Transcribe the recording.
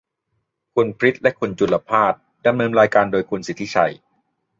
คุณพริษฐ์และคุณจุลภาส ดำเนินรายการโดยคุณสิทธิชัย